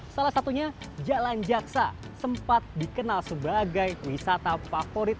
salah satunya jalan jaksa sempat dikenal sebagai wisata favorit